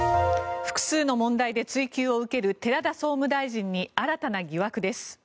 複数の問題で追及を受ける寺田総務大臣に新たな疑惑です。